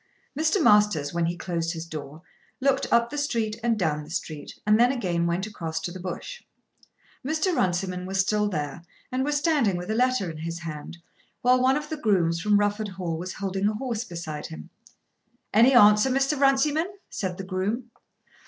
Mr. Masters, when he closed his door, looked up the street and down the street and then again went across to the Bush. Mr. Runciman was still there, and was standing with a letter in his hand, while one of the grooms from Rufford Hall was holding a horse beside him. "Any answer, Mr. Runciman?" said the groom.